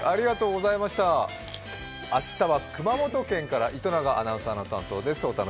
明日は熊本県から糸永アナウンサーの担当です。